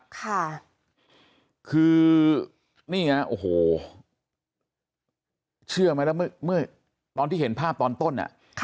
ค่ะคือนี่ไงโอ้โหเชื่อไหมแล้วเมื่อตอนที่เห็นภาพตอนต้นอ่ะ